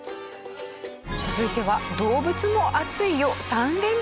続いては動物も暑いよ３連発。